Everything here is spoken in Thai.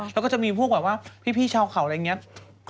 แล้วก็จะมีพวกแบบว่าพี่ชาวเขาอะไรอย่างนี้